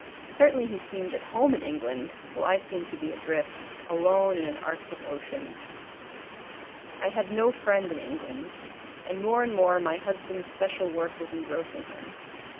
Certainly he seemed at home in England, while I seemed to be adrift, alone in an arctic ocean. I had no friend in England, and more and more my husband's special work was engrossing him.